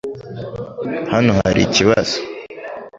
Hano hari ikibazo .